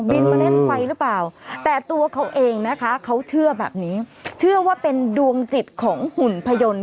มาเล่นไฟหรือเปล่าแต่ตัวเขาเองนะคะเขาเชื่อแบบนี้เชื่อว่าเป็นดวงจิตของหุ่นพยนต์